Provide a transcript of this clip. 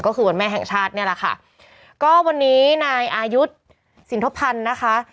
ก็คือวันแม่แห่งชาติเนี่ยแหละค่ะก็วันนี้นายอายุสินทพันธ์นะคะ